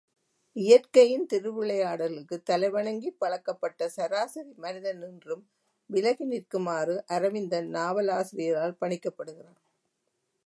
இயற்கையின் திருவிளையாடல்களுக்குத் தலைவணங்கிப் பழக்கப்பட்ட சராசரி மனித னினின்றும் விலகி நிற்குமாறு அரவிந்தன் நாவலாசிரியரால் பணிக்கப்படுகிறான்.